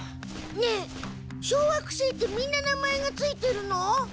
ねえ小惑星ってみんな名前がついてるの？